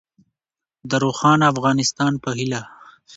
د روښانه افغانستان په هیله.